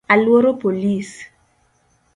Aluoro polis